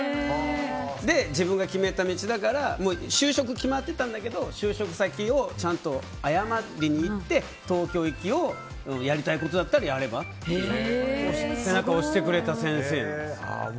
それで、自分が決めた道だから就職決まってたんだけど就職先をちゃんと謝りに行って東京行きをやりたいことだったらやればって背中押してくれた先生です。